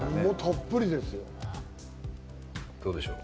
どうでしょう。